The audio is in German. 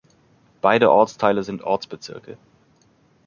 Beide Ortsteile sind Ortsbezirke.